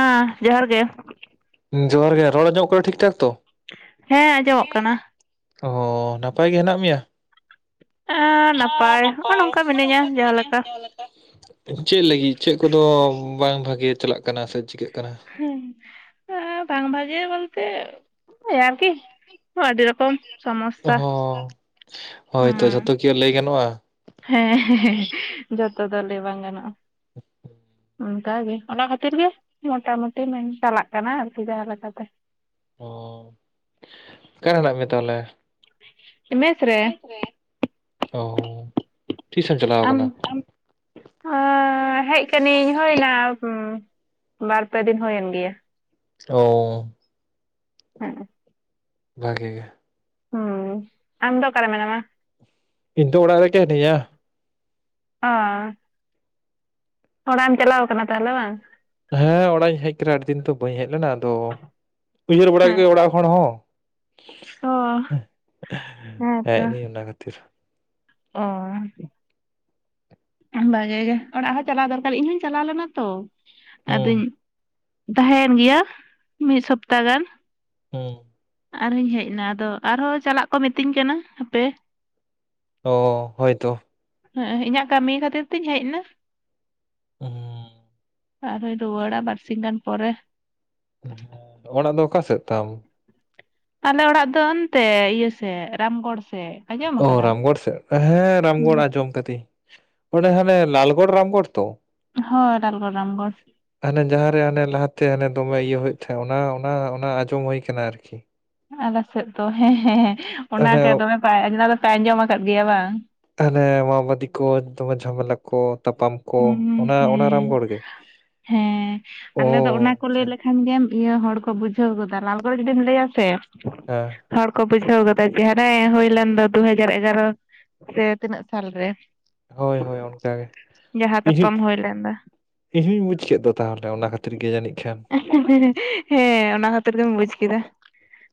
ᱦᱮᱸ ᱡᱚᱦᱟᱨ ᱜᱮ ᱦᱩᱸ ᱡᱚᱦᱟᱨ ᱜᱮ ᱨᱚᱲ ᱟᱸᱡᱚᱢᱚᱜ ᱠᱟᱱᱟ ᱴᱷᱤᱠ ᱴᱷᱟᱠ ᱛᱚ? ᱦᱮᱸ ᱟᱸᱡᱚᱢᱚᱜ ᱠᱟᱱᱟ ᱚ ᱱᱟᱯᱟᱭ ᱜᱮ ᱦᱮᱸᱱᱟᱜ ᱢᱮᱭᱟ? ᱮᱸ ᱦᱮᱸ ᱱᱚᱜᱼᱚ ᱱᱟᱯᱟᱭ ᱱᱚᱝᱠᱟ ᱢᱟᱱᱮ ᱢᱤᱱᱟᱹᱧᱟ ᱡᱟᱦᱟᱸ ᱢᱤᱱᱤᱧᱟ ᱞᱮᱠᱟ ᱡᱟᱦᱟᱞᱮᱠᱟ᱾ ᱪᱮᱫ ᱞᱟᱹᱜᱤᱫ ᱪᱮᱫ ᱠᱚᱫᱚ ᱵᱟᱝ ᱵᱷᱟᱜᱮ ᱪᱟᱞᱟᱜ ᱠᱟᱱᱟ ᱥᱮ ᱪᱤᱠᱟᱹᱜ ᱠᱟᱱᱟ? ᱦᱮᱸ ᱮᱸ ᱵᱟᱝ ᱵᱷᱟᱜᱤᱭᱟ ᱵᱚᱞᱛᱮ, ᱳᱭ ᱟᱨᱠᱤᱼᱼ ᱚ ᱟᱹᱰᱤ ᱨᱚᱠᱚᱢ ᱥᱚᱢᱚᱥᱛᱟ, ᱚ ᱦᱳᱭᱛᱚ ᱦᱩᱸ ᱡᱷᱚᱛᱚ ᱠᱤ ᱞᱟᱹᱭ ᱜᱟᱱᱚᱜᱼᱟ ᱦᱮᱸ ᱡᱷᱚᱛᱚ ᱫᱚ ᱞᱟᱹᱭ ᱵᱟᱝ ᱜᱟᱱᱚᱜ-ᱟ᱾ ᱚᱱᱠᱟᱜᱮ ᱚᱱᱟ ᱠᱷᱟᱹᱛᱤᱨ ᱜᱮ ᱢᱚᱴᱟ-ᱢᱩᱴᱤ ᱢᱮᱱ ᱪᱟᱞᱟᱜ ᱠᱟᱱᱟ ᱟᱨᱠᱤ ᱡᱟᱦᱟᱸ ᱞᱮᱠᱟᱛᱮᱼᱼ ᱚᱸ ᱚᱠᱟᱨᱮ ᱦᱮᱱᱟᱜ ᱢᱭᱟ ᱛᱟᱦᱚᱞᱮ? ᱮ ᱢᱮᱥ ᱢᱮᱥ ᱨᱮ, ᱚᱻ ᱛᱤᱥᱮᱢ ᱪᱟᱞᱟᱣ ᱠᱟᱱᱟ? ᱚ ᱦᱮᱡ ᱠᱟᱹᱱᱤᱧ ᱦᱩᱭᱱᱟ ᱵᱟᱨ-ᱯᱮ ᱫᱤᱱ ᱦᱩᱭᱮᱱ ᱜᱮᱭᱟ᱾ ᱳᱻᱢ, ᱦᱮᱸ ᱮ ᱵᱷᱟᱜᱮ ᱜᱮ, ᱦᱩᱸ ᱟᱢᱫᱚ ᱚᱠᱟᱨᱮ ᱢᱮᱱᱟᱢᱟ? ᱤᱧ ᱛᱚ ᱚᱲᱟᱜ ᱨᱮᱜᱮ ᱦᱮᱱᱤᱧᱟ᱾ ᱚᱸᱻ ᱚᱲᱟᱜ ᱮᱢ ᱪᱟᱞᱟᱣ ᱠᱟᱱᱟ ᱛᱟᱦᱞᱮ ᱵᱟᱝ? ᱦᱮᱸ ᱚᱲᱟᱜ ᱤᱧ ᱦᱮᱸᱡ ᱠᱟᱱᱟ ᱟᱹᱰᱤ ᱫᱤᱱ ᱛᱚ ᱵᱟᱹᱧ ᱦᱮᱡ ᱞᱮᱱᱟ ᱟᱫᱚ, ᱩᱭᱦᱟᱹᱨ ᱵᱟᱲᱟ ᱦᱮᱸ ᱠᱮᱫᱠᱩᱧ ᱚᱲᱟᱜ ᱦᱚᱲᱼᱼ ᱦᱚᱲ ᱚ ᱦᱚᱸ, ᱦᱮᱸᱡ ᱱᱟᱹᱧ ᱚᱱᱟ ᱠᱷᱟᱹᱛᱤᱨᱼᱼ ᱚᱸᱻ ᱵᱷᱟᱜᱮ ᱜᱮ ᱚᱲᱟᱜ ᱦᱚᱸ ᱪᱟᱞᱟᱣ ᱫᱚᱨᱠᱟᱨ ᱤᱧ ᱦᱚᱧ ᱪᱟᱞᱟᱣ ᱞᱮᱱᱟ ᱛᱚ ᱦᱩᱸ ᱟᱫᱚᱧᱼᱼ ᱛᱟᱦᱮᱸᱭᱮᱱ ᱜᱮᱭᱟ ᱢᱤᱫ ᱥᱚᱯᱛᱟ ᱜᱟᱱ᱾ ᱦᱩᱸ ᱟᱨ ᱦᱚᱸᱧ ᱦᱮᱸᱡ ᱮᱱᱟ ᱟᱫᱚ ᱟᱨᱦᱚᱸ ᱪᱟᱞᱟᱜ ᱠᱚ ᱢᱤᱛᱟᱹᱧ ᱠᱟᱱᱟ ᱦᱟᱯᱮ, ᱚ ᱦᱚᱭ ᱛᱚᱼᱼ ᱦᱮᱸ ᱤᱧᱟᱜ ᱠᱟᱹᱢᱤ ᱠᱷᱟᱹᱛᱤᱨ ᱛᱤᱧ ᱦᱮᱡ ᱮᱱᱟ᱾ ᱦᱩᱸ ᱟᱨᱦᱚᱸᱧ ᱨᱩᱣᱟᱹᱲᱟ ᱵᱟᱨᱥᱤᱧ ᱜᱟᱱ ᱯᱚᱨᱮ᱾ [unintelligible] ᱚᱲᱟᱜ ᱫᱚ ᱚᱠᱟ ᱥᱮᱫ ᱛᱟᱢ? ᱟᱞᱮ ᱚᱲᱟᱜ ᱫᱚ ᱚᱱᱛᱮ ᱤᱭᱟᱹ ᱥᱮᱫ ᱨᱟᱢᱜᱚᱲ ᱥᱮᱫ᱾ ᱟᱸᱡᱚᱢ ᱚ ᱟᱠᱟᱫᱟᱢ ᱨᱟᱢᱜᱚᱲ ᱥᱮᱫ, ᱦᱮᱸ ᱦᱩᱸ ᱨᱟᱢᱜᱚᱲ ᱟᱸᱡᱚᱢ ᱠᱟᱹᱫᱟᱹᱧ ᱚᱱᱮ ᱦᱟᱱᱮ ᱞᱟᱞᱜᱚᱲ ᱨᱟᱢᱜᱚᱲ ᱛᱚ? ᱦᱚᱭ ᱞᱟᱞᱜᱚᱲ ᱨᱟᱢᱜᱚᱲ᱾ ᱦᱟᱱᱮ ᱡᱟᱦᱟᱸ ᱨᱮ ᱦᱟᱱᱮ ᱞᱟᱦᱟ ᱛᱮ ᱦᱟᱱᱮ ᱫᱚᱢᱮ ᱤᱭᱟᱹ ᱦᱩᱭᱩᱜ ᱛᱟᱦᱮᱸᱫ ᱚᱱᱟ-ᱚᱱᱟ-ᱚᱱᱟ ᱟᱸᱡᱚᱢ ᱦᱚᱭ ᱠᱟᱱᱟ ᱟᱨ ᱠᱤ᱾ ᱟᱞᱮ ᱥᱮᱫ ᱫᱚ ᱦᱮᱸ-ᱦᱮᱸ-ᱦᱮᱸ ᱦᱟᱱᱮ ᱚᱱᱟᱴᱟᱜ ᱫᱚᱢᱮ ᱯᱮ [unintelligible] ᱟᱠᱟᱫ ᱜᱮᱭᱟ ᱵᱟᱝ, ᱛᱟᱦᱞᱮ ᱢᱟ-ᱵᱟᱹᱫᱤ ᱠᱚ ᱫᱚᱢᱮ ᱡᱷᱟᱢᱮᱞᱟᱼᱼ ᱠᱚ ᱛᱟᱯᱟᱢ ᱠᱚ ᱦᱩᱸ ᱚᱱᱟ-ᱚᱱᱟ ᱦᱮᱸ ᱨᱟᱢᱜᱚᱲ ᱜᱮ? ᱦᱮᱸ ᱚᱻ ᱟᱞᱮ ᱫᱚ ᱚᱱᱟ ᱠᱚ ᱞᱟᱹᱭ ᱞᱮᱠᱷᱟᱱ ᱜᱮᱢ ᱤᱭᱟᱹ ᱦᱚᱲ ᱠᱚ ᱵᱩᱡᱷᱟᱹᱣ ᱜᱚᱫᱟ ᱞᱟᱞᱜᱚᱲ ᱡᱩᱫᱤᱢ ᱞᱟᱹᱭᱟ ᱥᱮᱼᱼ ᱦᱮᱸ ᱦᱚᱲ ᱠᱚ ᱵᱩᱡᱷᱟᱹᱣ ᱜᱚᱫᱟ ᱡᱮ ᱦᱟᱱᱮ ᱦᱚᱭ ᱞᱮᱱ ᱫᱚ ᱫᱩ ᱦᱟᱡᱟᱨ ᱮᱜᱟᱨᱚᱼᱼ ᱥᱮ ᱛᱤᱱᱟᱹᱜ ᱥᱟᱞ ᱨᱮᱼᱼ ᱦᱳᱭ-ᱦᱳᱭ ᱚᱱᱠᱟ ᱜᱮ᱾ ᱛᱟᱯᱟᱢ [unintelligible] ᱤᱧ ᱦᱩᱭ ᱞᱮᱱ ᱫᱚ ᱦᱩᱸᱧ ᱵᱩᱡᱽ ᱠᱮᱫ ᱫᱚ ᱛᱟᱦᱚᱞᱮ ᱚᱱᱟ ᱠᱷᱟᱹᱛᱤᱨ ᱜᱮ ᱡᱟᱹᱱᱤᱡ ᱠᱷᱟᱱ, [unintelligible] ᱦᱮᱸ ᱚᱱᱟ ᱠᱷᱟᱹᱛᱤᱨ ᱜᱮᱢ ᱵᱩᱪ ᱠᱮᱫᱟ᱾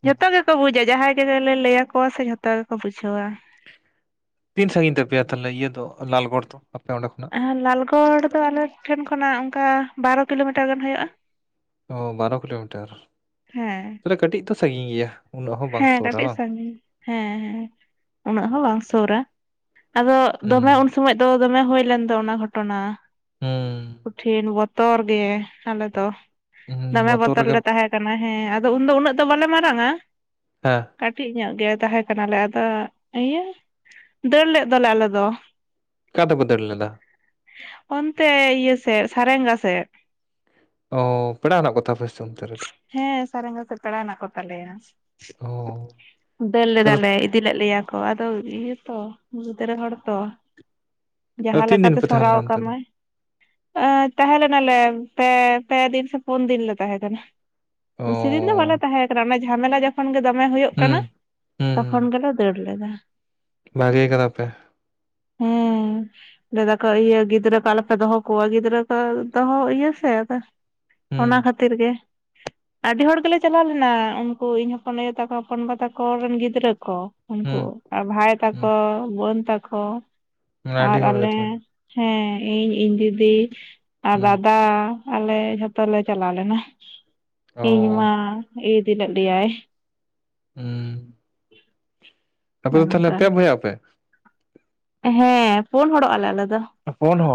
ᱡᱚᱛᱚ ᱜᱮᱠᱚ ᱵᱩᱡᱟ ᱡᱟᱦᱟᱸᱭ [unintelligible] ᱜᱮ ᱞᱮ ᱞᱟᱹᱭᱟ ᱟᱠᱚᱣᱟ ᱥᱮ ᱡᱷᱚᱛᱚ ᱜᱮᱠᱚ ᱵᱩᱡᱷᱟᱹᱣᱟ᱾ ᱛᱤᱱ ᱥᱟᱺᱜᱤᱧ ᱛᱟᱯᱮᱭᱟ ᱛᱟᱞᱦᱮ ᱤᱭᱟᱹ ᱫᱚ ᱞᱟᱞᱜᱚᱲ ᱛᱚ ᱟᱯᱮ ᱚᱸᱰᱮ ᱠᱷᱚᱱ? ᱞᱟᱞᱜᱚᱲ ᱫᱚ ᱟᱞᱮ ᱴᱷᱮᱱ ᱠᱷᱚᱱᱟᱜ ᱚᱱᱠᱟ ᱵᱟᱨᱚ ᱠᱤᱞᱳ ᱢᱤᱴᱟᱹᱨ ᱜᱟᱱ ᱦᱳᱭᱩᱜ-ᱟ᱾ ᱚ ᱵᱟᱨᱚ ᱠᱤᱞᱳ ᱢᱤᱴᱟᱹᱨ ᱦᱮᱸ ᱛᱟᱦᱚᱞᱮ ᱠᱟᱹᱴᱤᱡ ᱛᱚ ᱥᱟᱺᱜᱤᱧ ᱜᱮᱭᱟ᱾ ᱩᱱᱟᱹᱜ ᱦᱚᱸ ᱵᱟᱝ ᱦᱮᱸ ᱥᱩᱨᱟ ᱠᱟᱹᱴᱤᱡ ᱵᱟᱝ ᱥᱟᱹᱜᱤᱧ ᱦᱮᱸ ᱦᱮᱸ ᱩᱱᱟᱹᱜ ᱦᱚᱸ ᱵᱟᱝ ᱥᱩᱨᱟ ᱟᱫᱚ ᱦᱩᱸ ᱫᱚᱢᱮ ᱩᱱ ᱥᱚᱢᱚᱭ ᱫᱚᱼᱼ ᱫᱚᱢᱮ ᱦᱚᱭ ᱞᱮᱱ ᱫᱚ ᱚᱱᱟ ᱜᱷᱚᱴᱚᱱᱟ ᱦᱩᱸ ᱠᱩᱴᱷᱤᱱ ᱵᱚᱼᱼ ᱛᱚᱨ ᱜᱮ ᱟᱞᱮ ᱫᱚ ᱫᱚᱢᱮ ᱵᱚᱛᱚᱨ ᱞᱮ ᱛᱟᱦᱮᱸᱼᱼ ᱠᱟᱱᱟ ᱦᱮᱸ ᱟᱫᱚ ᱩᱱ ᱫᱚ ᱩᱱᱟᱹᱜ ᱫᱚ ᱵᱟᱞᱮ ᱢᱟᱨᱟᱝᱟ ᱦᱮᱸ ᱠᱟᱹᱴᱤᱡ ᱧᱚᱜ ᱜᱮ ᱛᱟᱦᱮᱸ ᱠᱟᱱᱟ ᱞᱮ ᱟᱫᱚ ᱤᱭᱟᱹᱼᱼ ᱫᱟᱹᱲ ᱞᱮᱫ ᱫᱚᱞᱮ ᱟᱞᱮ ᱫᱚ᱾ ᱚᱠᱟ ᱛᱮᱯᱮ ᱫᱟᱹᱲ ᱞᱮᱫᱟ? ᱚᱱᱛᱮ ᱤᱭᱟᱹ ᱥᱮᱫ ᱥᱟᱨᱮᱝᱜᱟ ᱥᱮᱫ᱾ ᱦᱮᱸ ᱥᱟᱨᱮᱝᱜᱟ ᱥᱮᱫ ᱯᱮᱲᱟ ᱦᱮᱱᱟᱜ ᱠᱚ ᱛᱟᱞᱮᱭᱟ᱾ ᱫᱹᱲ ᱞᱮᱫᱟᱞᱮ ᱤᱫᱤ ᱞᱮᱫ ᱞᱮᱭᱟᱼᱼ ᱚ ᱟᱫᱚ ᱤᱭᱟᱹ ᱛᱚ ᱜᱤᱫᱽᱲᱟᱹ ᱦᱚᱲᱚᱲ ᱛᱚ᱾ ᱡᱟᱸᱦᱟ ᱞᱮᱠᱟᱛᱮ ᱥᱚᱨᱟᱣ ᱠᱟᱢᱟᱭ ᱛᱟᱦᱮᱸ ᱞᱮᱮᱱᱟᱞᱮ ᱯᱮ ᱯᱮ ᱫᱤᱱ ᱥᱮ ᱯᱩᱱ ᱫᱤᱱ ᱞᱮ ᱛᱟᱦᱮᱸ ᱠᱟᱱᱟ᱾ ᱵᱮᱥᱤ ᱫᱤᱱ ᱫᱚ ᱵᱟᱞᱮ ᱛᱟᱦᱮᱸ ᱟᱠᱟᱱᱟ ᱚᱱᱟ ᱡᱷᱟᱢᱮᱞᱟ ᱡᱚᱠᱷᱚᱱ ᱜᱮ ᱫᱚᱢᱮ ᱦᱩᱭᱩᱜ ᱠᱟᱱᱟ᱾ ᱛᱚᱠᱷᱚᱱ ᱜᱮᱞᱮ ᱫᱟᱹᱲ ᱞᱮᱫᱟ᱾ ᱵᱷᱟᱜᱮ ᱟᱠᱟᱫᱟ ᱯᱮ᱾ ᱦᱮᱸ ᱞᱟᱹᱭ ᱮᱫᱟᱠᱚ ᱤᱭᱟᱹ ᱜᱤᱫᱽᱨᱟᱹ ᱠᱚ ᱟᱞᱚᱯᱮ ᱫᱚᱦᱚ ᱠᱚᱣᱟ ᱜᱤᱫᱽᱨᱟᱹ ᱠᱚ ᱫᱚᱦᱚ ᱤᱭᱟᱹ ᱥᱮᱼᱼ ᱚᱱᱟ ᱠᱷᱟᱹᱛᱤᱨ ᱜᱮ ᱟᱹᱰᱤ ᱦᱚᱲ ᱜᱮᱞᱮ ᱪᱟᱞᱟᱣ ᱞᱮᱱᱟ ᱩᱱᱠᱩ ᱤᱧᱼᱼ ᱦᱚᱯᱚᱱ ᱟᱭᱳ ᱛᱟᱠᱚ ᱦᱚᱯᱚᱱ ᱵᱟ ᱛᱟᱠᱚ ᱨᱮᱱ ᱜᱤᱫᱽᱨᱟᱹ ᱠᱚ ᱩᱱᱠᱩᱼᱼ ᱵᱷᱟᱭ ᱛᱟᱠᱚ ᱵᱟᱹᱱ ᱛᱟᱠᱚ ᱟᱨ ᱟᱞᱮ, ᱦᱮᱸ ᱤᱧ ᱤᱧ ᱫᱤᱫᱤ ᱟᱨ ᱫᱟᱫᱟ᱾ ᱟᱞᱮ ᱡᱷᱚᱛᱚ ᱞᱮ ᱪᱟᱞᱟᱣ ᱞᱮᱱᱟ ᱤᱧ ᱢᱟ ᱤᱫᱤ ᱞᱮᱭᱟᱭ᱾ ᱦᱩᱸ ᱚᱱᱠᱟ ᱦᱮᱸ ᱯᱳᱩᱱ ᱦᱚᱲᱚᱜ ᱟᱞᱮ ᱟᱞᱮ ᱫᱚ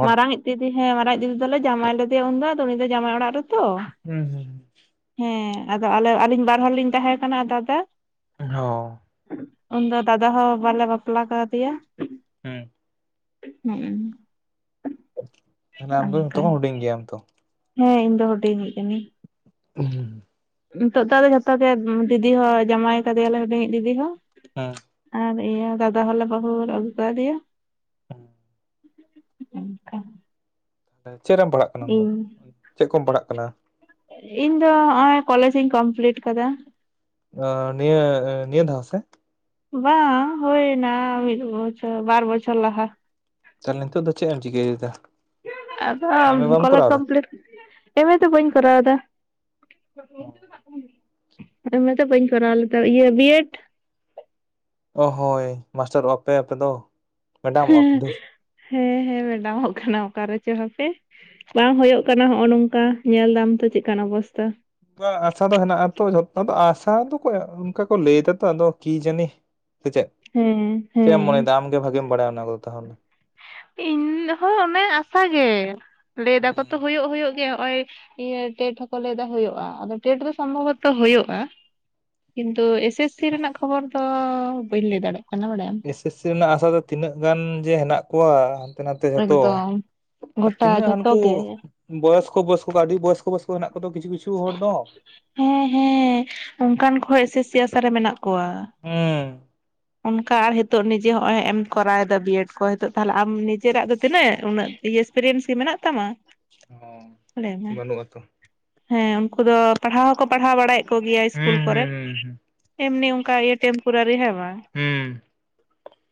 ᱢᱟᱨᱟᱝ ᱤᱡᱼᱼ ᱫᱤᱫᱤ ᱦᱮᱸ ᱢᱟᱨᱟᱝ ᱫᱤᱫᱤ ᱫᱚᱞᱮ ᱡᱟᱢᱟᱭ ᱞᱮᱫᱮᱭᱟ ᱩᱱᱫᱚ ᱟᱫᱚ ᱩᱱᱤᱫ ᱫᱚ ᱡᱟᱢᱟᱭ ᱚᱲᱟᱜ ᱨᱮᱛᱚ᱾ ᱦᱩᱸ ᱦᱩᱸ ᱦᱮᱸ ᱟᱫᱚ ᱟᱞᱮ ᱟᱹᱞᱤᱧ ᱵᱟᱨ ᱦᱚᱲ ᱞᱤᱧ ᱛᱟᱦᱮᱸ ᱠᱟᱱᱟ ᱟᱨ ᱫᱟᱫᱟ, ᱚᱹᱻ ᱩᱱᱫᱚ ᱫᱟᱫᱟ ᱦᱚᱸ ᱵᱟᱞᱮ ᱵᱟᱯᱞᱟ ᱠᱟᱫᱮᱭᱟ ᱦᱩᱸ ᱦᱩᱸ ᱛᱟᱦᱞᱮ ᱟᱢ ᱫᱚ ᱚᱱᱠᱟ ᱡᱚᱛᱚᱠᱷᱱ ᱦᱩᱰᱤᱧ ᱜᱮᱭᱟᱢ ᱛᱚ? ᱦᱮᱸ ᱤᱧ ᱫᱚ ᱦᱩᱰᱤᱧᱤᱡ ᱠᱟᱹᱱᱟᱹᱧ ᱦᱩᱸ ᱱᱤᱛᱚᱜ ᱫᱚ ᱟᱞᱮ ᱡᱷᱚᱛᱚ ᱜᱮ ᱫᱤᱫᱤ ᱦᱚᱸ ᱡᱟᱢᱟᱭ ᱟᱠᱟᱫᱮᱭᱟᱞᱮ ᱦᱩᱰᱤᱧᱤᱡ ᱫᱤᱫᱤ ᱦᱚᱸ ᱦᱩᱸ ᱟᱨ ᱤᱭᱟᱹ ᱫᱟᱫᱟ ᱦᱚᱸᱞᱮ ᱵᱟᱦ ᱞᱮ ᱟᱜᱩᱭᱟᱠᱟ ᱫᱮᱭᱟ ᱚᱱᱠᱟ ᱪᱮᱫ ᱨᱮᱢ ᱯᱟᱲᱦᱟᱜ ᱠᱟᱱᱟ ᱤᱧ ᱪᱮᱫ ᱠᱚᱢ ᱯᱟᱲᱦᱟᱜ ᱠᱟᱱᱟ? ᱤᱧ ᱫᱚ ᱱᱚ-ᱚᱭ ᱠᱚᱞᱮᱡ ᱤᱧ ᱠᱚᱢᱯᱤᱞᱴ ᱟᱠᱟᱫᱟ᱾ ᱱᱤᱭᱟᱹ ᱱᱤᱭᱟᱹ ᱫᱷᱟᱣ ᱥᱮ? ᱵᱟᱝ ᱦᱩᱭᱱᱟ ᱢᱤᱫ ᱵᱚᱪᱚᱨ ᱵᱟᱨ ᱵᱚᱪᱚᱨ ᱞᱟᱦᱟ᱾ ᱛᱟᱦᱚᱞᱮ ᱱᱤᱛᱚᱜ ᱫᱚ ᱪᱮᱫ ᱮᱢ ᱪᱤᱠᱟᱹᱭᱫᱟ? ᱟᱫᱚ ᱠᱚᱞᱮᱡᱽ ᱠᱚᱢᱯᱞᱤᱴ ᱮᱢᱮ ᱫᱚ ᱵᱟᱹᱧ ᱠᱚᱨᱟᱣ ᱫᱟ᱾ ᱮᱢ ᱮ ᱫᱚ ᱵᱟᱹᱧ ᱠᱚᱨᱟᱣ ᱞᱮᱫᱟ ᱤᱭᱟᱹ ᱵᱤᱭᱮᱰ ᱚ ᱦᱳᱭ ᱢᱟᱥᱴᱟᱨᱚᱜᱼᱟ ᱯᱮ ᱟᱯᱮ ᱫᱚ? ᱢᱮᱰᱟᱢᱚᱜ ᱟᱯᱮ ᱦᱩᱸ ᱫᱷᱩᱨ᱾ ᱦᱮᱸ ᱦᱮᱸ ᱢᱮᱰᱟᱢᱚᱜ ᱠᱟᱱᱟ ᱚᱠᱟ ᱨᱮᱪᱚ ᱦᱚᱸᱯᱮ᱾ ᱵᱟᱝ ᱦᱩᱭᱩᱜ ᱠᱟᱱᱟ ᱱᱚ ᱱᱚᱝᱠᱟ ᱧᱮᱞ ᱫᱟᱢ ᱛᱚ ᱪᱮᱫᱠᱟᱱ ᱚᱵᱚᱥᱛᱟ? ᱟᱥᱟ ᱫᱚ ᱦᱮᱸᱱᱟᱜ ᱟ ᱛᱚ ᱡᱷᱚᱛᱚ ᱫᱚ ᱟᱥᱟ ᱫᱚ ᱠᱚ ᱚᱱᱠᱟ ᱠᱚ ᱞᱟᱹᱭ ᱫᱟᱛᱚ ᱟᱫᱚ ᱠᱤ ᱡᱟᱹᱱᱤ ᱥᱮ ᱪᱮᱫ ᱦᱮᱸ ᱪᱮᱫ ᱮᱢ ᱦᱮᱸ ᱢᱚᱱᱮᱭᱮᱫᱟ ᱟᱢᱜᱮ ᱵᱷᱟᱜᱤᱢ ᱵᱟᱲᱟᱭᱟ ᱚᱱᱟ ᱠᱚᱫᱚ ᱛᱟᱦᱚᱞᱮ? ᱤᱧ ᱦᱚᱸ ᱚᱱᱮ ᱟᱥᱟ ᱜᱮ ᱞᱟᱹᱭ ᱫᱟᱠᱚ ᱛᱚ ᱦᱩᱭᱩᱜ ᱦᱩᱭᱩᱜ ᱜᱮ ᱦᱚᱸᱜᱼᱚᱭ ᱤᱭᱹ ᱴᱮᱴ ᱦᱚᱸᱠᱚ ᱞᱟᱹᱭᱫᱟ ᱦᱩᱭᱩᱜᱼᱟ, ᱟᱫᱚ ᱴᱮᱴ ᱫᱚ ᱥᱚᱢᱵᱷᱚᱵᱚᱛᱚ ᱦᱩᱭᱩᱜᱼᱟ, ᱠᱤᱱᱛᱩ ᱮᱥ ᱥᱮᱥ ᱥᱤ ᱨᱮᱱᱟᱜ ᱠᱷᱚᱵᱚᱨ ᱫᱚ ᱵᱟᱹᱧ ᱞᱟᱹᱭ ᱫᱟᱲᱮᱭᱟᱜ ᱠᱟᱱᱟ ᱵᱟᱲᱟᱭᱟᱢ᱾ ᱮᱥᱮᱥ ᱥᱤ ᱨᱮᱱᱟᱜ ᱟᱥᱟ ᱫᱚ ᱛᱤᱱᱟᱹᱜ ᱜᱟᱱ ᱡᱮ ᱦᱮᱸᱱᱟᱜ ᱠᱚᱣᱟ, ᱦᱟᱸᱱᱛᱮ ᱱᱟᱛᱮ ᱡᱷᱚᱛᱚ ᱮᱠᱫᱚᱢ ᱟᱨ ᱜᱚᱴᱟ ᱛᱤᱱᱟᱹᱜ ᱡᱷᱚᱛᱚ ᱦᱟᱸᱱᱠᱩ ᱜᱮ ᱵᱚᱭᱚᱥᱠᱚ ᱵᱚᱭᱚᱥᱠᱚ ᱟᱹᱰᱤ ᱵᱚᱭᱚᱥᱠᱚ ᱵᱚᱭᱚᱥᱠᱚ ᱦᱮᱸᱱᱟᱜ ᱠᱚᱫᱚ ᱠᱤᱪᱷᱩ ᱠᱤᱪᱷᱩ ᱦᱚᱲ ᱫᱚ ᱦᱮᱸ ᱦᱮᱸ ᱚᱱᱠᱟᱱ ᱠᱚᱦᱚᱸ ᱮᱥᱮᱥ ᱥᱤ ᱟᱥᱟᱨᱮ ᱢᱮᱱᱟᱜ ᱠᱚᱣᱟ᱾ ᱦᱩᱸ ᱾ ᱚᱱᱠᱟ ᱟᱨ ᱱᱤᱛᱚᱜ ᱱᱤᱡᱮ ᱦᱚᱸᱼᱚᱭ ᱦᱮᱸᱮᱢ ᱠᱚᱨᱟᱣᱮᱫᱟ ᱵᱤᱭᱮᱰ ᱠᱚ ᱱᱤᱛᱚᱜ ᱛᱟᱦᱚᱞᱮ ᱟᱢ ᱱᱤᱡᱼᱼ [unintelligible] ᱫᱚ ᱛᱤᱱᱟᱹᱜ ᱩᱱᱟᱹᱜ ᱮᱠᱥᱯᱨᱤᱭᱮᱱᱥ ᱠᱤ ᱢᱮᱱᱟᱜ ᱛᱟᱢᱟ [inaudible] ᱞᱟᱹᱭ ᱢᱮ? ᱵᱟᱹᱱᱩᱜ ᱟᱛᱚ [inaudible] ᱦᱮᱸ ᱩᱱᱠᱩ ᱫᱚ ᱯᱟᱲᱦᱟᱣ ᱦᱚᱸᱠᱚ ᱯᱟᱲᱦᱟᱣ ᱵᱟᱲᱟᱭᱮᱫ ᱠᱚ ᱜᱮᱭᱟ ᱤᱥᱠᱩᱞ ᱦᱩᱸ ᱠᱚᱨᱮ ᱦᱩᱸ ᱾ ᱦᱩᱸ ᱦᱩᱸ ᱮᱢᱱᱤ ᱚᱱᱠᱟ ᱤᱭᱟᱹ ᱴᱮᱢᱯᱳᱨᱟᱨᱤ ᱦᱮᱸ ᱵᱟᱝ? ᱦᱩᱸ ᱾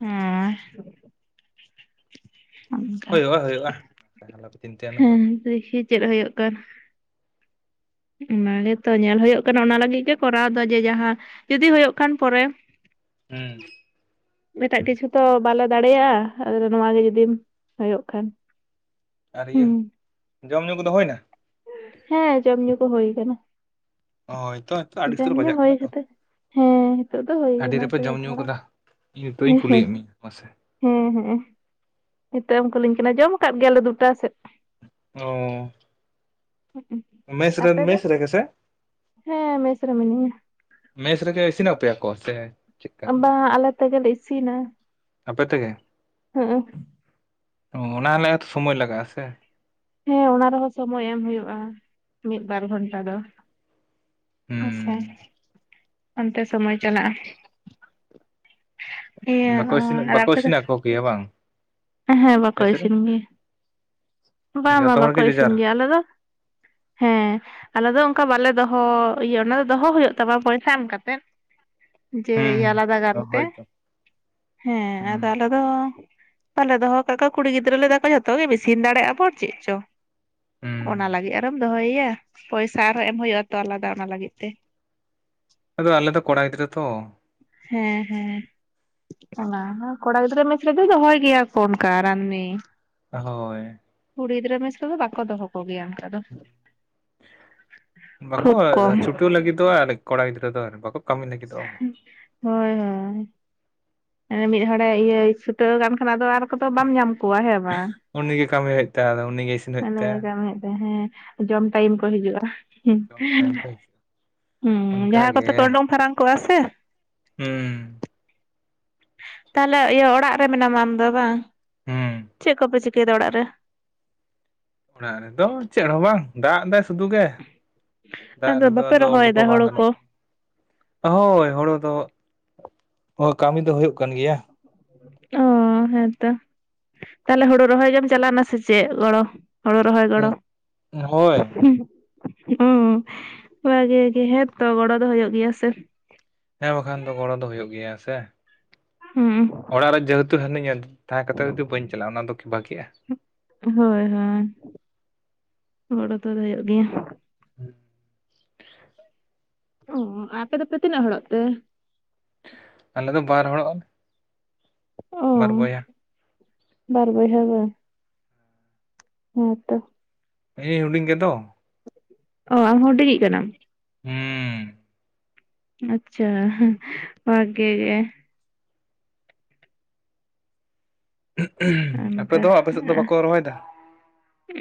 ᱦᱮᱸ ᱾ ᱚᱱᱠᱟ ᱦᱩᱭᱩᱜᱼᱟ ᱦᱩᱭᱩᱜᱼᱟ, ᱚᱠᱚᱭ ᱦᱚ ᱟᱞᱯᱮ ᱪᱤᱱᱛᱟᱹᱭᱟ ᱩᱱᱟᱹᱜ ᱫᱚ ᱾ ᱫᱤᱠᱷᱤ ᱪᱮᱫ ᱦᱩᱭᱩᱜ ᱠᱟᱱ᱾ ᱚᱱᱟ ᱜᱮᱛᱚ ᱧᱮᱞ ᱦᱩᱭᱩᱜ ᱠᱟᱱᱟ ᱚᱱᱟ ᱞᱟᱹᱜᱤᱫ ᱜᱮ ᱠᱚᱨᱟᱣ ᱫᱚ ᱡᱮ ᱡᱟᱦᱟᱸ ᱡᱩᱫᱤ ᱦᱩᱭᱩᱜ ᱠᱷᱟᱱ ᱯᱚᱨᱮ᱾ ᱦᱩᱸ ᱮᱴᱟᱜ ᱠᱤᱪᱷᱩ ᱛᱚ ᱵᱟᱞᱮ ᱫᱟᱲᱮᱭᱟᱜᱼᱟ ᱱᱚᱣᱟ ᱜᱮ ᱡᱩᱫᱤᱢ ᱦᱩᱭᱩᱜ ᱠᱷᱟᱱ᱾ ᱟᱨ ᱤᱭᱟᱹ ᱦᱩᱸ ᱡᱚᱢ ᱧᱩ ᱠᱚᱫᱚ ᱦᱩᱭᱮᱱᱟ? ᱦᱮᱸ ᱡᱚᱢ ᱧᱩ ᱠᱚ ᱦᱳᱭ ᱠᱟᱱᱟ᱾ ᱦᱳᱭᱛᱚ ᱛᱳ ᱟᱹᱰᱤ ᱡᱚᱢ ᱩᱥᱛᱟᱹᱨ ᱧᱩ ᱵᱟᱡᱟᱜ ᱠᱟᱱᱟ ᱦᱩᱭ ᱛᱚ᱾ ᱠᱟᱛᱮᱜ ᱦᱮᱸ ᱱᱤᱛᱚᱜ ᱫᱚ ᱦᱳᱭ ᱟᱹᱰᱤ ᱠᱟᱱᱟ ᱨᱮᱯᱮ ᱡᱚᱢ ᱛᱟᱭᱚᱢ ᱧᱩ ᱦᱟᱲᱟᱜ ᱠᱟᱫᱟ ᱤᱧ ᱱᱤᱛᱚᱜ ᱤᱧ ᱠᱩᱞᱤᱭᱮᱫ ᱢᱮᱭᱟ ᱢᱟᱥᱮ᱾ ᱦᱮᱸ ᱦᱮᱸ ᱱᱤᱛᱚᱜ ᱮᱢ ᱠᱩᱞᱤᱧ ᱠᱟᱱᱟ ᱡᱚᱢ ᱟᱠᱟᱫ ᱜᱮᱭᱟᱞᱮ ᱫᱩᱴᱟ ᱥᱮᱫ᱾ ᱳ ᱦᱩᱸ ᱩ ᱟᱯᱮ ᱫᱚ? ᱛᱮᱜᱮᱥᱮ ᱦᱮᱸ ᱢᱮᱥ ᱨᱮ ᱢᱤᱱᱟᱹᱧᱟ᱾ ᱢᱮᱥ ᱨᱮᱜᱮ ᱤᱥᱤᱱᱟᱯᱮᱭᱟ ᱠᱚ ᱥᱮ ᱪᱮᱫᱠᱟ ᱵᱟᱝᱼᱟ ᱟᱞᱮ ᱛᱮᱜᱮᱞᱮ ᱤᱥᱤᱱᱟ᱾ ᱟᱯᱮ ᱛᱮᱜᱮ? ᱦᱩᱸ ᱩ ᱚᱱᱟ ᱱᱮᱣᱮᱛ ᱥᱚᱢᱚᱭ ᱞᱟᱜᱟᱼᱟ ᱥᱮ? ᱦᱮᱸ ᱚᱱᱟ ᱨᱮᱦᱚᱸ ᱥᱚᱢᱚᱭ ᱮᱢ ᱦᱩᱭᱩᱜᱼᱟ ᱢᱤᱫ ᱵᱟᱨ ᱜᱷᱚᱱᱴᱟ ᱫᱚ᱾ ᱟᱪᱪᱷᱟ ᱦᱩᱸ ᱚᱱᱛᱮ ᱥᱚᱢᱚᱭ ᱪᱟᱞᱟᱜᱼᱟ᱾ ᱤᱭᱟᱹ ᱟᱨ ᱟᱯᱮ ᱫᱚ? ᱤᱭᱟ. ᱵᱟᱝ ᱦᱮᱸ ᱵᱟᱠᱚ ᱢᱮᱥ ᱨᱮ ᱤᱥᱤᱱ ᱜᱮᱭᱟ ᱢᱟᱱᱮ ᱵᱟᱝ ᱡᱷᱚᱛᱚ ᱵᱟᱝ ᱦᱚᱲ ᱵᱟᱠᱚ ᱜᱮ ᱤᱥᱤᱱ ᱡᱮᱡᱟᱨ ᱜᱮᱭᱟ ᱟᱞᱮ ᱫᱚ ᱦᱮᱸ ᱟᱞᱮ ᱫᱚ ᱚᱱᱠᱟ ᱵᱟᱞᱮ ᱫᱚᱦᱚ ᱤᱭᱟᱹ ᱚᱱᱟ ᱫᱚ ᱫᱚᱦᱚ ᱦᱩᱭᱩᱜ ᱛᱟᱢᱟ ᱯᱚᱭᱥᱟ ᱮᱢ ᱠᱟᱛᱮᱫ᱾ ᱡᱮ ᱦᱩᱸ ᱤᱭᱟ ᱟᱞᱟᱫᱟ ᱚ ᱜᱟᱨᱛᱮ ᱦᱳᱭᱛᱚ ᱦᱮᱸ ᱦᱩᱸ ᱟᱫᱚ ᱟᱞᱮᱫᱚ ᱵᱟᱞᱮ ᱫᱚᱦᱚ ᱠᱟᱜ ᱠᱚᱣᱟ ᱠᱩᱲᱤ ᱜᱤᱫᱽᱨᱟᱹ ᱞᱮᱫᱟ ᱠᱚ ᱡᱷᱚᱛᱚ ᱜᱮᱢ ᱤᱥᱤᱱ ᱫᱟᱲᱮ ᱟᱵᱚᱱ ᱪᱮᱫ ᱪᱚ ᱦᱩᱸ ᱚᱱᱟ ᱞᱟᱹᱜᱤᱫ ᱟᱨᱢ ᱫᱚᱦᱚᱭᱮᱭᱟ, ᱯᱚᱭᱥᱟ ᱟᱨᱦᱚᱸ ᱮᱢ ᱦᱩᱭᱩᱜᱼᱟᱛᱚ ᱟᱞᱟᱫᱟ ᱚᱱᱟ ᱞᱟᱹᱜᱤᱫ ᱛᱮ᱾ ᱟᱫᱚ ᱟᱞᱮ ᱫᱚ ᱠᱚᱲᱟ ᱜᱤᱫᱨᱟᱹ ᱛᱚ, ᱦᱮᱸ ᱦᱮᱸ, ᱚᱱᱟ ᱦᱚᱸ ᱠᱚᱲᱟ ᱜᱤᱫᱽᱨᱟᱹ ᱢᱮᱥ ᱨᱮᱫᱚ, ᱫᱚᱦᱚᱭ ᱜᱮᱭᱟ ᱠᱚ ᱚᱱᱠᱟ ᱨᱟᱱᱱᱤ᱾ ᱦᱳᱭ, ᱠᱩᱲᱤ ᱜᱤᱫᱨᱟᱹ ᱢᱮᱥ ᱨᱮᱫᱚ ᱵᱟᱠᱚ ᱫᱚᱦᱚ ᱠᱚᱜᱮᱭᱟ ᱚᱱᱠᱟ ᱫᱚ, ᱠᱷᱩᱵ ᱠᱚᱢ᱾ ᱛᱚ ᱟᱨ ᱠᱚᱲᱟ ᱜᱤᱫᱽᱨ ᱫᱚ ᱟᱨ, ᱵᱟᱠᱚ ᱠᱟᱹᱢᱤ ᱞᱟᱹᱜᱤᱫᱚᱜᱼᱟ ᱩᱱᱟᱹᱜ᱾ ᱦᱳᱭ ᱦᱳᱭ, ᱢᱤᱫ ᱦᱚᱲᱮ ᱤᱭᱟᱹᱭ ᱪᱷᱩᱴᱟᱹᱣ ᱠᱟᱱ ᱠᱷᱟᱱ, ᱟᱫᱚ ᱟᱨ ᱠᱚᱫᱚ ᱵᱟᱢ ᱧᱟᱢ ᱠᱚᱣᱟ ᱦᱮᱸ ᱵᱟᱝ ᱩᱱᱤᱜᱮ ᱠᱟᱹᱢᱤ ᱦᱩᱭᱩᱜ ᱛᱟᱭᱟ ᱟᱫᱚ ᱩᱱᱤᱜᱮ ᱤᱥᱤᱱ ᱦᱩᱭᱩᱜ ᱛᱟᱭᱟ ᱡᱟᱭ [inaudible] ᱦᱮᱸ ᱡᱚᱢ ᱴᱟᱭᱤᱢ ᱠᱚ ᱦᱤᱡᱩᱜ-ᱟ᱾ ᱡᱚᱢ ᱴᱟᱭᱤᱢ ᱠᱷᱟᱭ ᱦᱩᱸ ᱡᱟᱦᱟᱸ ᱠᱚᱛᱮ ᱯᱮ ᱚᱰᱩᱝ ᱯᱷᱟᱨᱟᱠ ᱠᱚᱜᱼᱟ ᱥᱮ ᱦᱩᱸ᱾ ᱛᱟᱦᱚᱞᱮ ᱤᱭᱟᱹ ᱚᱲᱟᱜ ᱨᱮ ᱢᱮᱱᱟᱢᱟ ᱟᱢ ᱫᱚ ᱵᱟᱝ? ᱦᱩᱸ ᱪᱮᱫ ᱠᱚᱯᱮ ᱪᱤᱠᱟᱹᱭᱮᱫᱟ ᱚᱲᱟᱜ ᱨᱮ? ᱚᱱᱮ ᱚᱱᱮᱫᱚ ᱪᱮᱫ ᱦᱚᱸ ᱵᱟᱝ ᱫᱟᱜ ᱫᱟᱭ ᱥᱩᱫᱩ ᱜᱮ, ᱫᱟᱜ ᱨᱮᱫᱚ ᱵᱟᱯᱮ ᱟᱫᱚ ᱩᱰᱩᱠ ᱨᱚᱦᱚᱭᱮᱫᱟ ᱦᱚᱸ ᱵᱟᱝ ᱦᱳᱲᱳ ᱠᱚ ᱜᱟᱱᱚᱜ ᱦᱳᱭ ᱦᱳᱲᱳ ᱫᱚ ᱦᱳᱭ ᱠᱟᱹᱢᱤ ᱫᱚ ᱦᱩᱭᱩᱜ ᱠᱟᱱ ᱜᱮᱭᱟ᱾ ᱚ ᱦᱮᱸᱛᱚ ᱛᱟᱦᱞᱮ ᱦᱳᱲᱳ ᱨᱚᱦᱚᱭ ᱜᱮᱢ ᱪᱟᱞᱟᱣ ᱱᱟ ᱥᱮᱪᱮᱫ ᱜᱚᱲᱚ? ᱦᱳᱲᱳ ᱨᱚᱦᱚᱭ ᱜᱚᱲ? ᱦᱳᱭ ᱦᱩᱸ ᱵᱷᱟᱜᱮ ᱜᱮ ᱦᱮᱸᱛᱚ ᱜᱚᱲᱚ ᱫᱚ ᱦᱩᱭᱩᱜ ᱜᱮᱭᱟ ᱦᱮᱸᱥᱮ? ᱦᱮᱸ ᱵᱟᱠᱷᱟᱱ ᱫᱚ ᱜᱚᱲᱚ ᱫᱚ ᱦᱩᱭᱩᱜ ᱜᱮᱭᱟ ᱥᱮ᱾ ᱦᱩᱸ᱾ ᱚᱲᱟᱜ ᱨᱮ ᱡᱮᱦᱮᱛᱩ ᱦᱤᱱᱟᱹᱧᱟ ᱛᱟᱦᱮᱸ ᱠᱟᱛᱮᱜ ᱡᱩᱫᱤ ᱵᱟᱹᱧ ᱪᱟᱞᱟᱜᱼᱟ ᱚᱱᱟ ᱫᱚ ᱵᱷᱟᱹᱜᱤᱜᱼᱟ᱾ ᱦᱳᱭ ᱦᱳᱭ ᱜᱚᱲᱚ ᱛᱚ ᱫᱚ ᱦᱳᱭᱳᱜ ᱜᱮᱭᱟ᱾ ᱦᱩᱸ᱾ ᱚ ᱟᱯᱮ ᱫᱚᱯᱮ ᱛᱤᱱᱟᱹᱜ ᱦᱚᱲᱚᱜ ᱛᱮ? ᱟᱞᱮᱫ ᱫᱚ ᱵᱟᱨ ᱦᱚᱲᱚᱜ ᱟᱞᱮ᱾ ᱚ ᱵᱟᱨ ᱵᱚᱭᱦᱟ᱾ ᱵᱟᱨ ᱵᱚᱭᱦᱟ ᱜᱮ? ᱦᱮᱸ ᱛᱚ᱾ ᱤᱧᱤᱧ ᱦᱩᱰᱤᱧ ᱜᱮᱫᱚ? ᱚ ᱟᱢ ᱦᱩᱰᱤᱧᱤᱜ ᱠᱟᱱᱟᱢ? ᱦᱩᱸ᱾ ᱟᱪᱪᱷᱟ ᱦᱩᱸ ᱵᱷᱟᱜᱮ ᱜᱮ᱾ ᱚᱱᱠᱟ ᱟᱯᱮᱫᱚ ᱟᱯᱮᱥᱮᱫ ᱫᱚ ᱵᱟᱠᱚ ᱨᱚᱦᱚᱭ ᱫᱟ?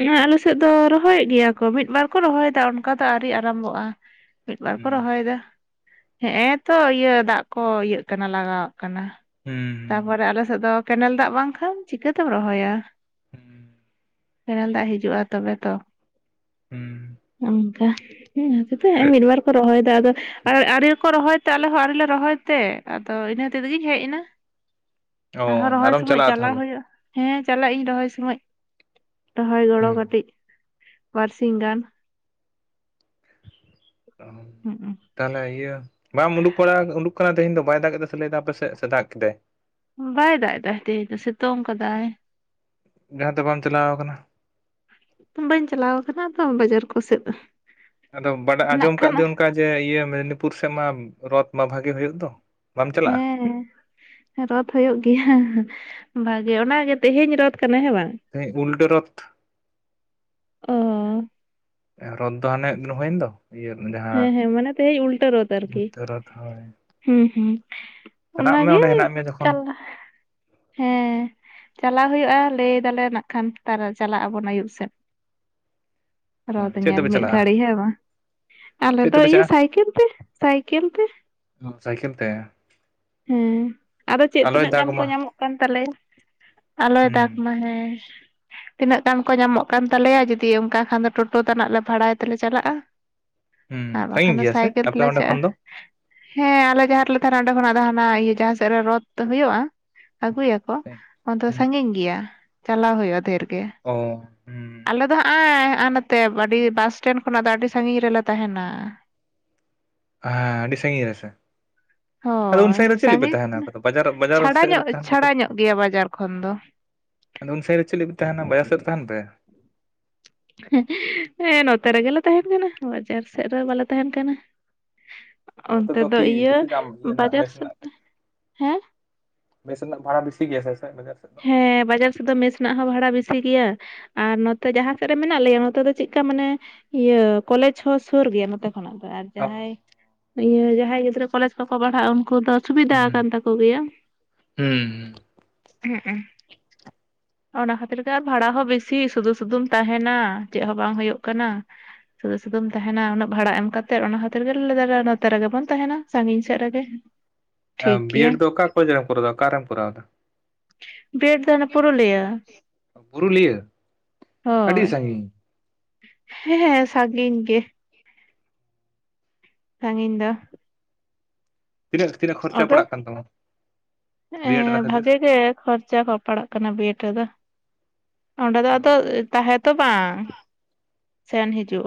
ᱩᱸ ᱟᱞᱮ ᱥᱮᱫ ᱫᱚ ᱨᱚᱦᱚᱭᱮᱫ ᱜᱮᱭᱟ ᱠᱚ ᱢᱤᱫ ᱵᱟᱨ ᱠᱚ ᱨᱚᱦᱚᱭᱮᱫᱟ ᱚᱱᱠᱟ ᱫᱚ ᱟᱹᱣᱨᱤ ᱟᱨᱚᱢᱵᱚᱜᱼᱟ᱾ ᱢᱤᱫ ᱵᱟᱨ ᱠᱚ ᱦᱩᱸ ᱨᱚᱦᱚᱭ ᱫᱟ ᱦᱮᱸᱜᱼᱮ ᱛᱚ ᱤᱭᱟᱹ ᱫᱟᱜ ᱠᱚ ᱤᱭᱟᱹᱜ ᱠᱟᱱᱟ ᱞᱟᱜᱟᱜ ᱠᱟᱱᱟ, ᱦᱩᱸ ᱛᱟᱯᱚᱨᱮ ᱟᱞᱮᱥᱮᱫ ᱫᱚ ᱠᱮᱱᱮᱞ ᱫᱟᱜ ᱵᱟᱝᱠᱷᱟᱱ ᱪᱤᱠᱟᱹᱛᱮᱢ ᱨᱚᱦᱚᱭᱟ᱾ ᱦᱩᱸ ᱦᱩᱸ ᱠᱮᱱᱮᱞ ᱫᱟᱜ ᱦᱤᱡᱩᱜᱼᱟ ᱛᱚᱵᱮ ᱛᱚ ᱦᱩᱸ ᱚᱝᱠᱟ᱾ ᱦᱩᱸ ᱥᱮᱛᱚ ᱦᱮᱸᱜᱼᱮᱜ ᱢᱤᱫ ᱵᱟᱨ ᱠᱚ ᱨᱚᱦᱚᱭ ᱫᱟ ᱟᱫᱚ ᱟᱨ ᱟᱣᱨᱤ ᱠᱚ ᱨᱚᱦᱚᱭ ᱛᱮ ᱟᱞᱮᱦᱚᱸ ᱟᱣᱨᱤ ᱞᱮ ᱨᱚᱦᱚᱭ ᱛᱮ ᱟᱫᱚ ᱤᱱᱟᱹ ᱦᱚᱛᱮᱡ ᱛᱮᱜᱤᱧ ᱦᱮᱡ ᱱᱟ᱾ ᱚ ᱟᱨᱦᱚᱸ ᱨᱚᱦᱚᱭ ᱟᱨᱚᱢ ᱥᱚᱢᱳᱡ ᱪᱟᱞᱟᱜᱼᱟ ᱪᱟᱞᱟᱣ ᱛᱟᱦᱚᱞᱮ ᱦᱩᱭᱩᱜᱼᱟ ᱦᱮᱸ ᱪᱟᱞᱟᱜ ᱤᱧ ᱨᱚᱦᱚᱭ ᱥᱚᱢᱳᱡ᱾ ᱨᱚᱦᱚᱭ ᱜᱚᱲᱚ ᱦᱩᱸ ᱠᱟᱹᱴᱤᱡ ᱵᱟᱨᱥᱤᱧ ᱜᱟᱱ ᱾ ᱚᱦᱚᱢ ᱦᱩᱸᱜ-ᱩ ᱾ ᱛᱟᱦᱚᱞᱮ ᱤᱭᱟᱹ ᱵᱟᱢ ᱩᱰᱩᱠ ᱵᱟᱲᱟ ᱩᱰᱩᱠ ᱠᱟᱱᱟ ᱛᱮᱦᱮᱧ ᱫᱚ? ᱵᱟᱭ ᱫᱟᱜ ᱮᱫᱟ ᱛᱟᱦᱚᱞᱮ ᱫᱚ ᱟᱯᱮ ᱥᱮᱫ ᱥᱮ ᱫᱟᱜ ᱠᱮᱫᱟᱭ? ᱵᱟᱭ ᱫᱟᱜ ᱮᱫᱟ ᱛᱮᱦᱮᱧ ᱫᱚ ᱥᱤᱛᱩᱝ ᱟᱠᱟᱫᱟᱭ ᱾ ᱡᱟᱦᱟᱸ ᱛᱮ ᱵᱟᱢ ᱪᱟᱞᱟᱣ ᱟᱠᱟᱱᱟ? ᱵᱟᱹᱧ ᱪᱟᱞᱟᱣ ᱟᱠᱟᱱᱟ ᱟᱫᱚ ᱵᱟᱡᱟᱨ ᱠᱚᱥᱮᱫ ᱫᱚ ᱾ ᱟᱫᱚ ᱵᱟᱰᱟ ᱟᱸᱡᱚᱢ ᱠᱟᱫ ᱫᱚ ᱚᱱᱠᱟ ᱡᱮ ᱤᱭᱟᱹ ᱢᱮᱫᱽᱱᱤᱯᱩᱨ ᱥᱮᱫ ᱢᱟ ᱨᱚᱛ ᱢᱟ ᱵᱷᱟᱜᱤ ᱦᱩᱭᱩᱜ ᱫᱚ ᱾ ᱦᱮᱸ ᱦᱮᱸ ᱾ ᱨᱚᱫ ᱦᱩᱭᱩᱜ ᱜᱮᱭᱟ ᱵᱷᱟᱜᱮ ᱚᱱᱟ ᱜᱮ ᱛᱮᱦᱮᱧ ᱨᱚᱫ ᱠᱟᱱᱟ ᱦᱮᱸ ᱵᱟᱝ ᱾ ᱦᱳᱭ ᱩᱞᱴᱟᱹ ᱨᱚᱛ ᱾ ᱚ ᱨᱚᱫ ᱫᱚ ᱦᱟᱱᱮ ᱢᱤᱫ ᱫᱤᱱ ᱦᱩᱭᱮᱱ ᱫᱚ ᱾ ᱤᱭᱟᱹ ᱡᱟ ᱦᱮᱸ ᱦᱮᱸ ᱢᱟᱱᱮ ᱛᱮᱦᱮᱧ ᱩᱞᱴᱟᱹ ᱨᱚᱫ ᱟᱨᱠᱤ ᱨᱚᱛ ᱦᱳᱭ ᱾ [inaudible] ᱦᱩᱸ ᱦᱩᱸ ᱾ ᱪᱟᱞᱟᱜ ᱚᱱᱟ ᱢᱮ ᱜᱮ ᱚᱸᱰᱮ ᱦᱮᱱᱟᱜ ᱢᱮᱭᱟ ᱡᱚᱠᱷᱚᱱ ᱪᱟᱞᱟ ᱦᱮᱸ ᱪᱟᱞᱟᱣ ᱦᱩᱭᱩᱜᱼᱟ, ᱞᱟᱹᱭ ᱮᱫᱟᱞᱮ ᱱᱟᱜ ᱠᱷᱟᱱ ᱛᱟᱨᱟ ᱪᱟᱞᱟᱜ ᱟᱵᱚᱱ ᱟᱹᱭᱩᱵ ᱥᱮᱫ ᱾ [inaudible] ᱨᱚᱫ ᱧᱮᱞ ᱛᱮᱯᱮ ᱢᱤᱫ ᱜᱷᱟᱹᱲᱤ ᱪᱟᱞᱟᱜᱼᱟ ᱦᱮ ᱵᱟᱝ ᱾ ᱟᱞᱮ ᱪᱮᱫ ᱫᱚ ᱛᱮᱯᱮ ᱤᱭᱟᱹ ᱪᱟᱞᱟᱜᱼᱟ ᱥᱟᱭᱠᱮᱞ ᱛᱮ ᱥᱟᱭᱠᱮᱞ ᱛᱮ ᱾ ᱚ ᱥᱟᱭᱠᱮᱞ ᱛᱮ ᱾ ᱦᱮᱸ, ᱟᱫᱚ ᱪᱮᱫ ᱛᱤᱱᱟᱹᱜ ᱫᱟᱜᱽ ᱜᱟᱱ ᱠᱚ ᱢᱟ ᱧᱟᱢᱚᱜ ᱠᱟᱱ ᱛᱟᱞᱮᱭᱟ ᱾ ᱟᱞᱚᱭ ᱦᱩᱸ ᱫᱟᱜ ᱢᱟ, ᱦᱮᱸ ᱾ ᱛᱤᱱᱟᱹᱜ ᱜᱟᱱ ᱠᱚ ᱧᱟᱢᱚᱜ ᱠᱟᱱ ᱛᱟᱞᱮᱭᱟ, ᱡᱩᱫᱤ ᱚᱱᱠᱟ ᱠᱷᱟᱱ ᱫᱚ ᱴᱳᱴᱳ ᱛᱟᱱᱟᱜ ᱞᱮ ᱵᱷᱟᱲᱟᱭ ᱛᱮᱞᱮ ᱪᱟᱞᱟᱜᱼᱟ ᱾ ᱦᱩᱸ ᱟᱨ ᱥᱟᱺᱜᱤᱧ ᱵᱟᱠᱷᱟᱱ ᱫᱚ ᱜᱮᱭᱟ ᱥᱮ ᱥᱟᱭᱠᱮᱞ ᱟᱯᱮ ᱛᱮᱞᱮ ᱚᱸᱰᱮ ᱪᱟᱜ-ᱟ ᱠᱷᱚᱱ ᱫᱚ ᱾ ᱦᱮᱸ ᱟᱞᱮ ᱡᱟᱦᱟᱸ ᱨᱮᱞᱮ ᱛᱟᱦᱮᱱᱟ ᱚᱸᱰᱮ ᱠᱷᱚᱱᱟᱜ ᱦᱟᱱᱟ ᱤᱭᱟᱹ ᱡᱟᱦᱟᱸ ᱥᱮᱫ ᱨᱮ ᱨᱚᱫ ᱦᱩᱭᱩᱜᱼᱟ ᱟᱹᱜᱩᱭᱟᱠ ᱚ ᱾ᱚᱱᱟ ᱫᱚ ᱦᱩᱸ ᱥᱟᱺᱜᱤᱧ ᱜᱮᱭᱟ ᱪᱟᱞᱟᱣ ᱦᱩᱭᱩᱜᱼᱟ ᱫᱷᱮᱨ ᱜᱮ ᱾ ᱚᱻ, ᱦᱩᱸ ᱾ ᱟᱞᱮ ᱫᱚ ᱦᱟᱸᱜᱼᱟᱭ ᱦᱟᱜ-ᱟ ᱱᱟᱛᱮ ᱟᱹᱰᱤ ᱵᱟᱥ ᱥᱴᱮᱱᱰ ᱠᱷᱚᱱᱟᱜ ᱫᱚ ᱟᱹᱰᱤ ᱥᱟᱺᱜᱤᱧ ᱨᱮᱞᱮ ᱛᱟᱦᱮᱱᱟ ᱾ ᱦᱟᱸ, ᱟᱹᱰᱤ ᱥᱟᱹᱜᱤ ᱨᱮᱥᱮ [inaudible] ᱟᱫᱚ ᱩᱱ ᱦᱳᱭ ᱥᱟᱺᱜᱤᱱ ᱨᱮ ᱪᱮᱫ ᱞᱟᱹᱜᱤ ᱯᱮ ᱛᱟᱦᱮᱱᱟ? ᱥᱟᱺᱜᱤᱧ ᱵᱟᱡᱟᱨ, ᱵᱟᱡᱟᱨ ᱪᱷᱟᱲᱟ ᱥᱮᱫ ᱨᱮ ᱧᱚᱜ ᱛᱟᱦᱮᱱ ᱵᱟᱯᱮ ᱪᱷᱟᱲᱟ [inaudible] ᱧᱚᱜ ᱜᱮᱭᱟ ᱵᱟᱡᱟᱨ ᱠᱷᱚᱱ ᱫᱚ ᱟᱫᱚ ᱩᱱ ᱥᱟᱺᱜᱤᱧ ᱨᱮ ᱪᱮᱫ ᱞᱟᱹᱜᱤᱫ ᱯᱮ ᱛᱟᱦᱮᱱᱟ? ᱵᱟᱡᱟᱨ ᱥᱮᱫ ᱨᱮ ᱛᱟᱦᱮᱱ ᱯᱮ ᱾ ᱦᱮᱸ ᱱᱚᱛᱮ ᱨᱮᱜᱮᱞᱮ ᱛᱟᱦᱮᱱ ᱠᱟᱱᱟ ᱵᱟᱡᱟᱨ ᱥᱮᱫ ᱨᱮ ᱵᱟᱞᱮ ᱛᱟᱦᱮᱱ ᱠᱟᱱᱟ ᱾ ᱱᱚᱛᱮ ᱫᱚ ᱠᱤ ᱵᱮᱥᱤ ᱫᱟᱢ ᱤᱭᱟᱹ ᱨᱮᱱᱟᱜ ᱵᱟᱡᱟᱨ ᱢᱮᱥ ᱥᱮᱫ ᱨᱮᱱᱟᱜ ᱾ ᱦᱮᱸ ᱢᱮᱥ ᱨᱮᱱᱟᱜ ᱵᱷᱟᱲᱟ ᱵᱤᱥᱤ ᱜᱮᱭᱟ ᱥᱮ ᱪᱮᱫ ᱵᱟᱡᱟᱨ ᱥᱮᱫ ᱫᱚ? ᱦᱮᱸ ᱵᱟᱡᱟᱨ ᱥᱮᱫ ᱢᱮᱥ ᱨᱮᱱᱟᱜ ᱦᱚᱸ ᱵᱷᱟᱲᱟ ᱵᱮᱥᱤ ᱜᱮᱭᱟ ᱟᱨ ᱱᱚᱛᱮ ᱡᱟᱦᱟᱸ ᱥᱮᱫ ᱨᱮ ᱢᱮᱱᱟᱜ ᱞᱮᱭᱟ ᱱᱚᱛᱮ ᱫᱚ ᱪᱮᱫᱠᱟ ᱢᱟᱱᱮ ᱤᱭᱟᱹ ᱠᱚᱞᱮᱡᱽ ᱦᱚᱸ ᱥᱩᱨ ᱜᱮᱭᱟ ᱱᱚᱛᱮ ᱠᱷᱚᱱᱟᱜ ᱫᱚ ᱟᱨ ᱚ ᱡᱟᱦᱟᱸᱭ ᱤᱭᱟᱹ ᱡᱟᱦᱟᱸᱭ ᱜᱤᱫᱽᱨᱟᱹ ᱠᱚᱞᱮᱡᱽ ᱠᱚᱠᱚ ᱯᱟᱲᱦᱟᱜ ᱩᱱᱠᱩ ᱫᱚ ᱥᱩᱵᱤᱫᱷᱟ ᱟᱠᱟᱱ ᱛᱟᱠᱚ ᱜᱮᱭᱟ ᱾ ᱦᱩᱸᱻ ᱦᱩᱸᱜ-ᱩ ᱾ [inaudible] ᱚᱱᱟ ᱠᱷᱟᱹᱛᱤᱨ ᱜᱮ ᱟᱨ ᱵᱷᱟᱲᱟ ᱦᱚᱸ ᱵᱤᱥᱤ ᱥᱩᱫᱩ ᱥᱩᱫᱩᱢ ᱛᱟᱦᱮᱱᱟ, ᱪᱮᱫ ᱦᱚᱸ ᱵᱟᱝ ᱦᱩᱭᱩᱜ ᱠᱟᱱᱟ ᱾ ᱥᱩᱫᱩ ᱥᱩᱫᱩ ᱛᱟᱦᱮᱱᱟ ᱩᱱᱟᱹᱜ ᱵᱷᱟᱲᱟ ᱮᱢ ᱠᱟᱛᱮᱫ ᱾ ᱚᱱᱟ ᱠᱷᱟᱹᱛᱤᱨ ᱜᱮᱞᱮ ᱞᱟᱹᱭ ᱮᱫᱟ ᱞᱮ ᱱᱚᱛᱮ ᱨᱮᱜᱮ ᱵᱚᱱ ᱛᱟᱦᱮᱱᱟ ᱥᱟᱺᱜᱤᱧ ᱥᱮᱫ ᱨᱮᱜᱮ ᱾ ᱵᱤᱭᱮᱰ ᱫᱚ ᱚᱠᱟ ᱠᱚᱞᱮᱡᱽ ᱨᱮᱢ ᱠᱚᱨᱟᱣ ᱮᱫᱟ ᱚᱠᱟᱨᱮᱢ ᱠᱚᱨᱟᱣ ᱮᱫᱟ? ᱵᱤ ᱮᱴ ᱫᱚ ᱦᱟᱱᱮ ᱯᱩᱨᱩᱞᱭᱟᱹ ᱯᱩᱨᱩᱞᱤᱭᱟᱹ ᱾ [inaudible] ᱟᱹᱰᱤ ᱦᱳᱭ ᱾ ᱥᱟᱺᱜᱤᱧ ᱦᱮᱸ ᱦᱮᱸ ᱥᱟᱺᱜᱤᱧ ᱜᱮ ᱾ ᱥᱟᱺᱜᱤᱧ ᱫᱚᱼᱼ ᱛᱤᱱᱟᱹᱜ-ᱛᱤᱱᱟᱹᱜ ᱠᱷᱚᱨᱪᱟ ᱟᱫᱚ ᱯᱟᱲᱟᱜ ᱠᱟᱱ ᱛᱟᱢᱟ? ᱵᱤᱭᱮᱰ ᱨᱮᱱᱟᱜ ᱮᱸ ᱠᱷᱟᱹᱛᱤᱨ ᱵᱷᱟᱜᱤ ᱜᱮ ᱠᱷᱚᱨᱪᱟ ᱦᱚᱸ ᱯᱟᱲᱟᱜ ᱠᱟᱱᱟ [unintelligible] ᱫᱚ᱾ ᱚᱸᱰᱮ ᱫᱚ ᱟᱫᱚ ᱛᱟᱦᱮᱸ ᱛᱚ ᱵᱟᱝ ᱥᱮᱱ ᱦᱤᱡᱩᱜ,